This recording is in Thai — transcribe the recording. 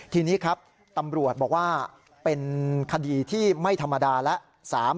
ทีนี้ครับตำรวจบอกว่าเป็นคดีที่ไม่ธรรมดาแล้ว